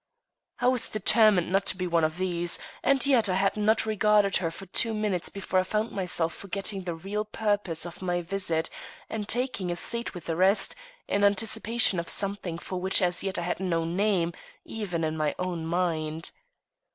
I was determined not to be one of these, and yet I had not regarded her for two minutes before I found myself forgetting the real purpose of my visit, and taking a seat with the rest, in anticipation of something for which as yet I had no name, even in my own mind.